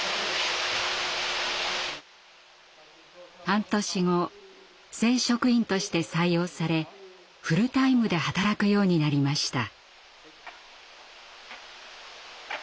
半年後正職員として採用されフルタイムで働くようになりました。